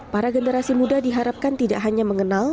para generasi muda diharapkan tidak hanya mengenal